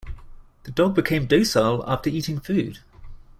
The dog became docile after eating food.